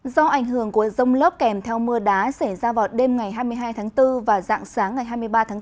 do ảnh hưởng của rông lốc kèm theo mưa đá xảy ra vào đêm ngày hai mươi hai tháng bốn và dạng sáng ngày hai mươi ba tháng bốn